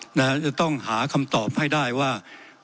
จะต้องหาคำตอบให้ได้ว่า